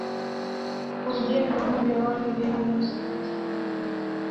kurudia viwango vya awali vya alostati na hivyo